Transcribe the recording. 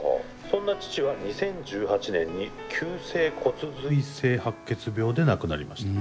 「そんな父は２０１８年に急性骨髄性白血病で亡くなりました」。